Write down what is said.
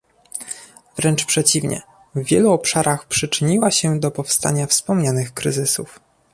Wręcz przeciwnie, w wielu obszarach przyczyniła się do powstania wspomnianych kryzysów